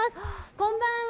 こんばんは。